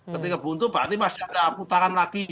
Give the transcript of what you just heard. ketika buntu berarti masih ada putaran lagi